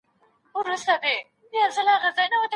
د عادلانه ویش له لاري ثبات راځي.